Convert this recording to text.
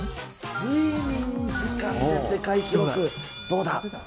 睡眠時間で世界記録、どうだ。